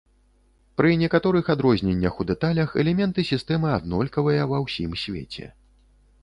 Пры некаторых адрозненнях у дэталях, элементы сістэмы аднолькавыя ва ўсім свеце.